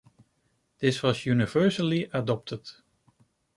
This was universally adopted.